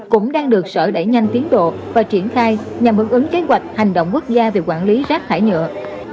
cũng đang được sở đẩy nhanh tiến độ và triển khai nhằm ứng ứng kế hoạch hành động quốc gia về quản lý rác thải nhựa